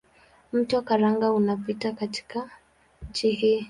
Mto Karanga unapita katika nchi hii.